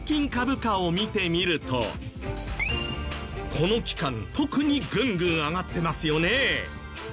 この期間特にぐんぐん上がってますよね。